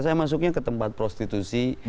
saya masuknya ke tempat prostitusi